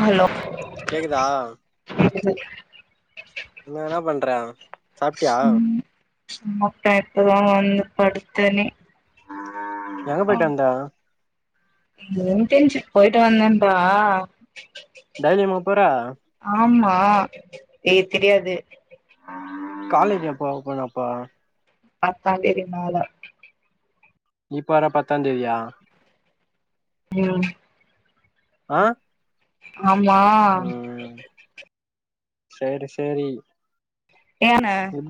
Hello கேக்குதா கேக்குது நீ என்னா பண்ற சாப்டியா சாப்டே இப்பதா வந்து படுத்தேனே எங்க போயிட்டு வந்த இண்டன்ஷிப் போயிட்டு வந்தேம்பா டெய்லியுமா போற ஆமா ஏ தெரியாது காலேஜ் எப்போ ஒப்பன் அப்போ பத்தாந்தேதி மேல இப்ப வர பத்தாந்தேதியா ம் அ ஆமா செரி செரி ஏன ம்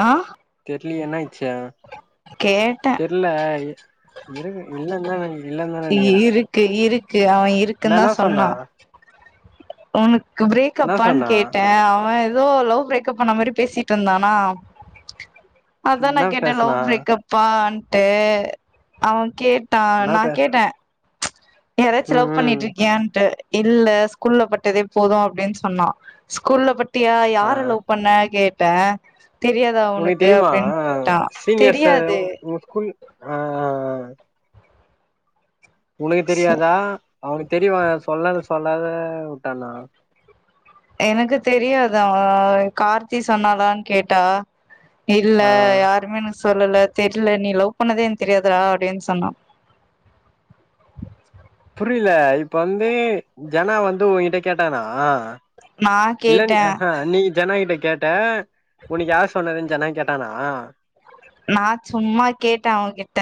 ஆ தெர்லியே என்னாயிச்சு கேட்டே தெர்ல இருக்கு இல்லந்தா இல்லந்தா நெனக்கிறே க்கு இருக்கு அவ இருக்குன்தா சொன்னா ஒனக்கு என்ன பிரேக்கப்பான் சொன்னா கேட்டே அவ எதோ லவ் பிரேக்கப்பான மாரி பேசிட்ருந்தானா அதா நா என்ன கேட்ட பேசுனா லவ் பிரேக்கப் பான்ட்டு அவ கேட்டா என்ன நா பே கேட்ட யாராச்சு ம் லவ் ம் பண்ணிட்டிருக்கியான்ட்டு இல்ல ஸ்கூல்ல பட்டதே போத அப்டின் சொன்னா ஸ்கூல்ல பட்டியா ஆ யார லவ் பண்ண கேட்ட தெரியாதா ஒனக்கு அப்டின் அ கேட்டா சீனியர்ஸ தெரியாது உங்க ஸ்கூல் அஅ உனக்கு தெரியாதா அவனுக் தெரிவா சொல்லாத சொல்லாத வுட்டானா எனக்கு தெரியாது அவ கார்த்தி சொன்னாலான் கேட்டா இல்ல ஆ யாருமே எனுக் சொல்லல தெரில நீ லவ் பண்ணதே எனக் தெரியாதுறா அப்டின் சொன்னா புரில இப்பந்து ஜனா வந்து உங்ககிட்ட கேட்டானா நா இல்லன் கேட்டே அஹ நீ ஜனா கிட்டக் கேட் ட உனக்கு யார் சொன்னதுன் ஜனா கேட்டானா நா சும்மா கேட்டே அவங்கிட்ட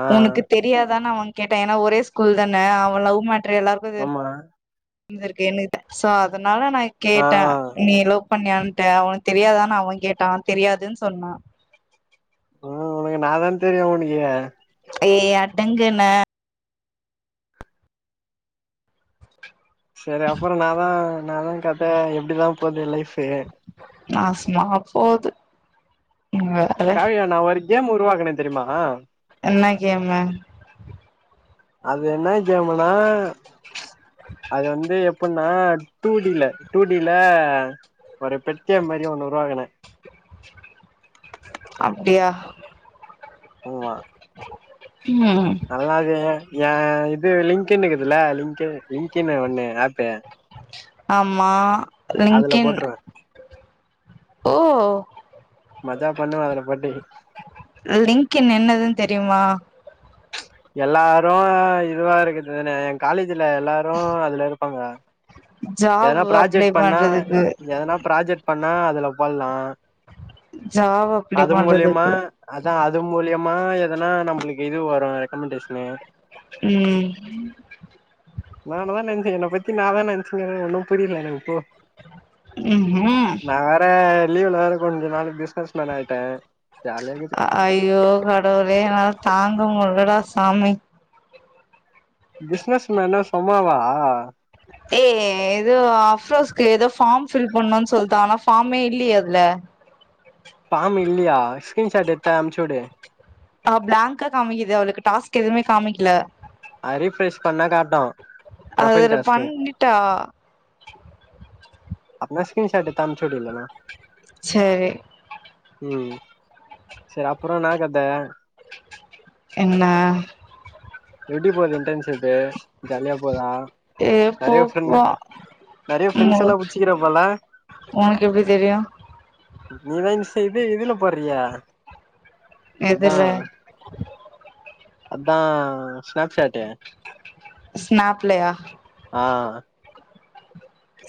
ஆ உனுக்குத் தெரியாதான்னு அவன் கேட்ட ஏன்னா ஒரே ஸ்கூல் தான அவ லவ் மேட்ரு எல்லாருக்கு தெரியு மா ந்துருக்கு என்னுகிட்ட சோ அதுனால நா ஆ கேட்ட நீ லவ் பண்ணியாட்டு அவனுக்கு தெரியாதானு அவ கேட்டா தெரியாதுன்னு சொன்னா ம் உனக்கு நா தா தெரியு அனுக்கு ஏ அடங்குன செரி அப்புற நா தா நா தா கத எப்டிதா போது லைப்பு நாசமா போது ன்னுவ கவியா நா ஒரு கேம் உருவாக்குனா தெரிமா என்ன கேம்மு அது என்ன கேமுனா அது வந்து எப்புனா டூ டில டூ டில ஒரு பெட்டிய மாரியோ ஒன்னு உருவாகுன அப்டியா உ வா ம் நல்லாது ஏன் இது லிங்குன் கிதுல லிங்க லிங்கினு ஒண்ணு ஆப்பெ ஆமா அதுல லிங்கின் போட்ருவ ஓ மஜா பண்ணுவ அதுல போட்டு லிங்கின் என்னதுன் தெரியுமா எல்லாரு இதுவா இருக்கத்துதானே என் காலேஜ்ல எல்லாரு அதுல இருப்பாங்க ஜாப் எதனா அப்ளை ப்ராஜெக்ட் பண்ணா பண்றதுக்கு எதனா ப்ராஜெக்ட் பண்ணா அதுல போல்லா ஜாப் அப்ளை அது மூலியுமா பண்றதுக்கு அதா அது மூலயமா எதனா நம்மளுக்கு இது வரு ரெக்கமெண்டேஷனு ம் ன்னானுதா நெச்சன் என்ன பத்தி நாதா நென்ச்சிங்கிற ஒன்னு புரில எனக்குப்போ ம் ஹு ம் நா வேற லீவ்ல வேற கொஞ்சோ நாள பிஸ்னஸ் மேன் ஆயிட்ட ஜாலியா கீது ஐயோ கடவுலே என்னால தாங்க முல்லடா சாமி பிசினஸ் மேன்னா சொம் மாவா ஏ ஏதோ அப்ரோஸ்க்கு ஏதோ ஃபார்ம் ஃபில் பண்ணு சொல் தா ஆனா ஃபார்ம்மே இல்லையே அதுல ஃபார்ம் இல்லையா ஃகிரீன்ஷாட் எடுத்து அம்ச்சிவுடு ஆ பிளாங்க்கா காமிக்குது அவளுக்கு டாஸ்க் எதுமே காமிக்கல அது ரீஃப்ரெஷ் பண்ணா காட்டு ப்ரொஃபைல் அது டாஸ்க்கு பண்ணிட்டா அப்பன ஸ்கிரீன்ஷாட் எடுத்து அம்ச்சிவுடு இல்லனா சரி ம், செரி அப்பறோ என்னா கத என்ன எப்டி போது இன்டன்ஷிப்பு? ஜாலியா போதா ஏ போ நிறைய ஃபிரெண்ட் போ நறைய ம் ஃப்ரெண்ட்ஸ் எல்லா புடிச்சிக்கிறப் போல உனக்கு எப்டி தெரியு நீதா இன்ஸ் இது இதுல போட்றியே அதா எதுல அதா ஸ்நாப்ஷாட்டு ஸ்நாப்லையா ஆ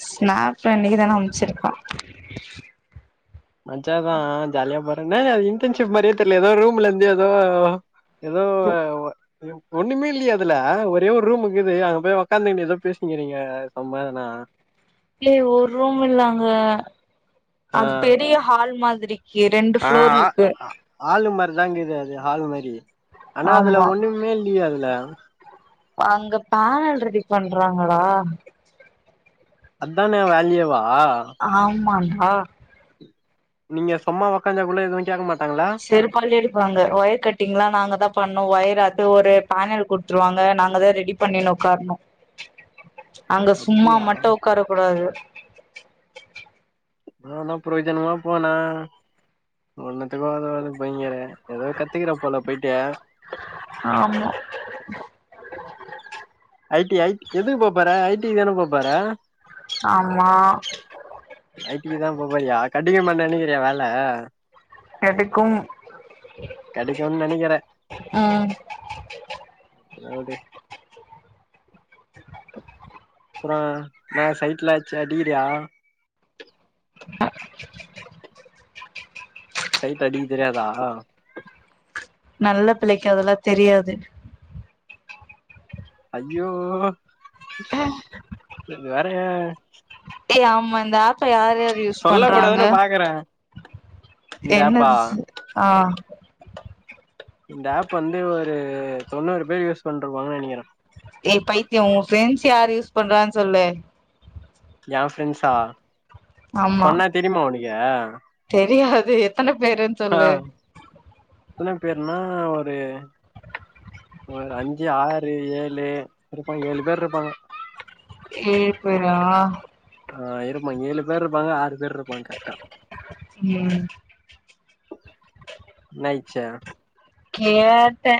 ஸ்நாப் இன்னைக்குதான அம்ச்சிருக்கா மஜாதா ஜாலியா போற என்னடா இது இன்டர்ன்ஷிப் மாரியே தெர்ல ஏதோ ரூம்ல இருந்து ஏதோ ஏதோ ஏ ஒண்ணுமே இல்லயே அதுல ஒரே ஒரு ரூம் இருக்குது அங்க போய் ஒக்காந்துகினு ஏதோ பேசினுகிறீங்க சும்மா எதனா இல்லயே ஒரு ரூம் இல்ல அங்க அது பெரிய ஹால் மாதிரி ஆ ஆ ஹாலு மாரிதா இருக்கிது அது ஹாலு மாரி ஆனா அதுல ஆமா ஒண்ணுமே இல்லயே அதுல ப அங்க பேனல் ரெடி பண்றாங்கடா அதுதான வேலையேவா ஆமான்டா நீங்க சும்மா ஒக்காஞ்சா கூட எதுவு கேக்க மாட்டாங்கல்ல செருப்பாலே அடிப்பாங்க, ஒயர் கட்டிங்லா நாங்கதா பண்ணு ஒயர் அது ஒரு பேனல் குடு த்துருவாங்க நாங்கதா ரெடி பண்ணினு உக்காரணு அங்க சும்மா அப்டியா மட்டு உக்கார கூடாது போனா பிரயோஜனமா போனு ஒன்னுத்துக்கு ஒதாவது போயிங்கர ஏதோ கத்துக்கற போல போயிட்டு ஆமா ஐ டி, ஐ எதுக்கு போப்போற ஐ டி க்குதான போப்போற ஆமா ஐ டிக்கு தா போப் போறியா கண்டினியு பண்ண நெனைக்கிறியா வேல எதுக்கும் கெடைக்குனு நெனைக்கிற ம் ற வுடு அப்பறோ என்ன சைட்லா யாரயாச்சு அடிக்கிறியா ஆ சைட் அடிக்க தெரியாதா நல்ல புள்ளைக்கு அதெல்லா தெரியாது அய்யோ இது வேறயா ஏய் ஆமா இந்த ஆப்ப யாரு யூஸ் சொல்ல பண்றாங்க கூடாதுன்னு பாக்குறே இந்த என்ன ஆப்பா அது ஆ இந்த ஆப் வந்து ஒரு தொண்ணூறு பேர் யூஸ் பண்ருபாங்கன்னு நெனைக்கிற ஏய் பைத்தியே ஒங் ஃப்ரெண்ட்ஸ் யாரு யூஸ் பண்றாங்கனு சொல்லு எ ஃப்ரெண்ட்ஸா ஆமா சொன்னா தெரியுமா உனக்கு தெரியாது எத்தன பேருன் ஆ சொல்லு எத்தன பேர்னா ஒரு ஒரு அஞ்சு ஆறு ஏழு இருப்ப ஏழு பேர் இருப்பாங்க ஏழு பேரா ஆ இருப்பா ஏழு பேர் ருப்பாங்க ஆறு பேர் ருப்பாங்க கர்ட்டா ம் நய்ச்சே கேட்டே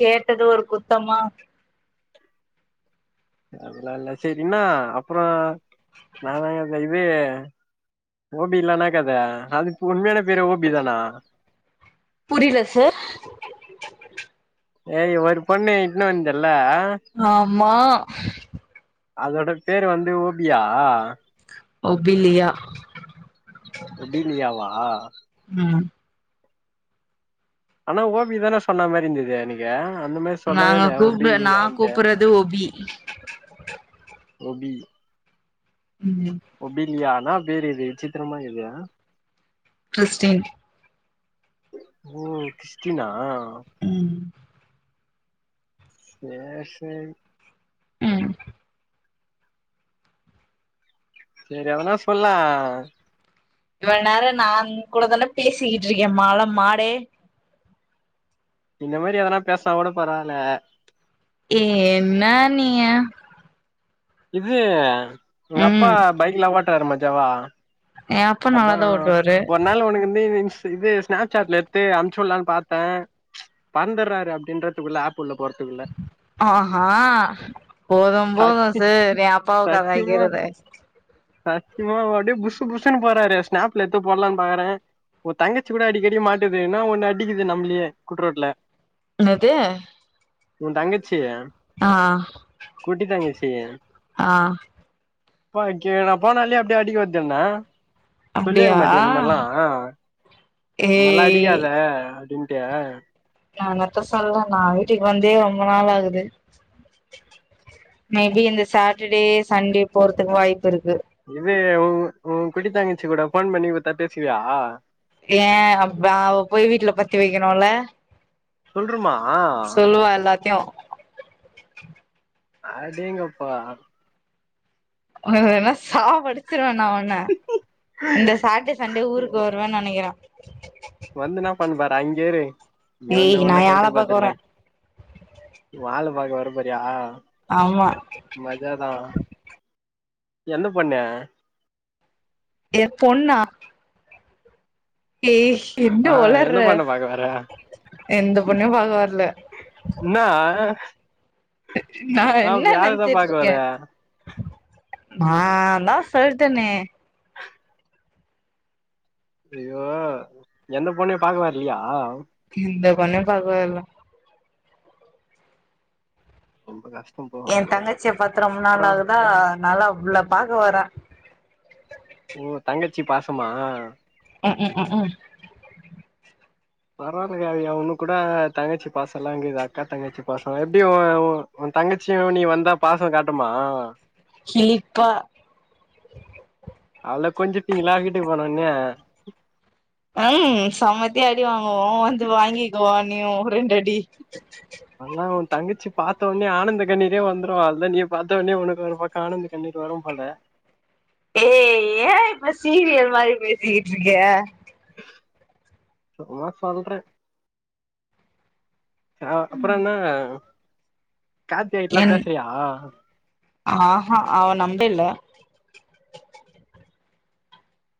கேட்டது ஒரு குத்தமா அல்லா இல்ல சேரி இன்னா அப்றோ நா தா கத தே ஓபி இலானா கத அதுக்கு உண்மையானப் பேரே ஓபிதானா புரில சார் ஏயி ஒரு பொண்ணு இட்னு வந்தல்ல ஆம்மா அதோட பேரு வந்து ஓபியா ஒபிலியா ஒடிலியாவா ம் ஆனா ஓபி தானே சொன்னா மேரி இந்தது அன்னைகே அந்த மேரி நாங்க கூப்ட நா கூப்பறது ஒபி ஒபி ம் ஒபிலியானா [unintelligible] விச்சித்திரமா இருகே டிரிஸ்டின் ஓ கிஸ்டினா ம் சேர் சேரி ம் சேரி அதனே சொல்லே இவள் நேரோ நாந் உங் கூடதானேப் பேசிகிட்ருக்கே மல மாடே இந்த மாரி எதனாப் பேச்னா கூடப் பரவால ஏ என்னா நீய இது உங்கப்பா ம் பைக்லா ஓட்றாரு மஜாவா எ அப்பா அதா நல்லாதா ஓட்டுவாரு ஒர் நாள் ஒனுக்கு இந்திஸ் இது ஸ்நாப் சாட்ல எத்து அம்ச்சுல்லான் பாத்தே பறந்தர்றாரு அப்டீன்றதுக்குள்ள ஆப் உள்ள போறத்துகுள்ள ஆஹா போதும் போது சத்தி சே நீ அப்பாவக் கலாய்க்கிறதே சத்தியமாவு அப்டியே புசு புசுனு போறாரு ஸ்நாப்ல எத்து போட்லான் பாகறே ஒ தங்கச்சி கூட அடிக்கடி மாட்டுது என்னா ஒன்னு அடிகிது நம்ளியே குட்ரோட்ல என்னது உ தங்கச்சி ஆ குட்டி தங்கச்சி ஆ பாக்யே நாப் போனாலே அப்டியே அடிக்க வர்து என்ன சொல்லி வெக்க அப்டியா மாட்டியா இந் மார்லா இந் மார்லா ஏய் அடிக்காத அப்டீன்ட்டு அனத்த சொல்ல நா வீட்டுக் வந்தே ரொம்ப நாள் ஆகுது மேபி இந்த சாட்டர்டே சண்டே போறதுக்கு வாய்ப்பு இருக்கு இது உங் உ குட்டி தங்கச்சி கூட ஃபோன் பண்ணி குத்தா பேசுவியா ஏ அப்ப அவ போய் வீட்ல பத்தி வகிணுல்ல சொல்றும்மா சொல்லுவா எல்லாத்யு அடேங்கப்பா ம் என்ன என்ன சாவடிச் ச்சிருவ நா ஒண்ண இந்த சாட்டே சண்டே ஊருக் வருவேனு நெனக்கிற வந்து இன்னா பண்ணப் போற அங்கே இரு ங்க ஏய் வந்து நா ஒன்ன யார பாக்க கய்டபோர்தில்ல வரே ஒ ஆள பாக்க வர போறியா ஆம்மா மஜாதா எந்த பொண்ணு எப் பொண்ணா ஏ என்ன ஆஹா ஒளர்ற எந்த பொண்ண பாக்க வர எந்த பொண்ணயும் பாக்க வர்ல என்னா நா ஆ என்ன வேறதா பாக்க நென்சிட்ருக்கே வர நாந்தா சொல்ட்டனே ஐயோ எந்த பொண்ணயு பாக்க வர்லியா இந்த பொண்ணயு பாக்க வர்ல ரொம்ப கஷ் என் தங்கச்சிய பாத்து ரொம்ப நாள் ஆகுதா அனால அவ்ளா பாக்க வர ஓ தங்கச்சி பாசமா ம்க்கு ம்க்கு பரவால்ல காவியா உனுக் கூட தங்கச்சி பாசோல்லா கீது அக்கா தங்கச்சி பாசோ எப்டி ஓ ஓ தங்கச்சியு நீ வந்தா பாசோ காட்டுமா கிலிப்பா அள கொஞ்சிட்டீங்களா வீட்டுக் போனா ஒன்னே ம் சம்மத்தியா அடி வாங்குவோ வந்து வாங்கக்கோவா நீயூ ரெண்டு அடி அல்லா ஓ தங்கச்சி பாத்தஒட்னே ஆனந்த கண்ணீரே வந்துரு அல்தா நீயு பாத்தவொன்னே ஒனக்கு ஒரு பக் க ஆனந்த கண்ணீர் வரூம் போல ஏய் ஏ இப்ப சீரியல் மாரி பேசிக்கிட்ருக்க சும்மா சொல்ற அ அப்றோ என்ன காத்திகா கிட்ல்லா என் பேசுரியா ஆஹா அவ நம்பே இல்ல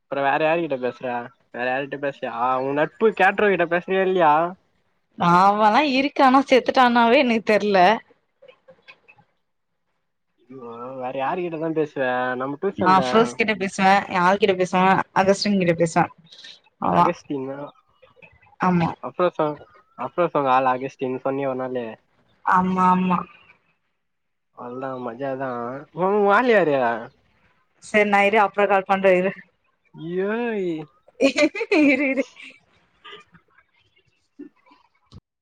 அப்பற வேற யாருகிட்ட பேசுறா வேற யார்ட்ட பேசுறியா உ நட்பு கேட்ரோ கிட்ட பேஸ்றியா இல்லயா அவல்லா இருக்கானா செத்துட்டானாவே எனக் தெர்ல யோ வேற யாருகிட்ட தா பேசுவ நம் நா அஃப்ரோஸ் கிட்ட பேசுவ என ஆள் கிட்ட பேசுவ அகஸ்டின் கிட்ட பேஸ்வ அகஸ்தினா ஆமா அப் அஃப்ரோஸ் அவுங்க அஃப்ரோஸ் ஆவுங்க ஆளா ஆகஸ்தின் சொன்னியே ஒருனாலு ஆம்மா ஆம்மா அல்தா மஜாதா ம் உ ஆள் யாரு செர் நாயிரு அப்ற கால் பண்ற இரு ஏய் இரு இரு